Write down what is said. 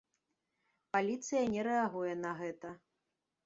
Паліцыя не рэагуе на гэта.